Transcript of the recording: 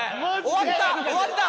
終わった！